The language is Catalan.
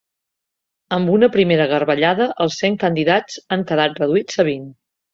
Amb una primera garbellada els cent candidats han quedat reduïts a vint.